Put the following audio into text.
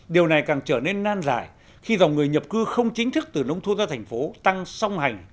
điều này càng trở nên nan giải khi dòng người nhập cư không chính thức từ nông thôn ra thành phố tăng song hành